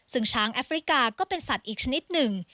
ซึ่งช้างแอฟริกาก็เป็นสัตว์อีกชนิดหนึ่ง